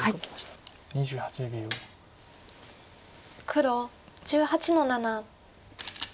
黒１８の七。